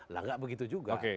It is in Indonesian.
tidak begitu juga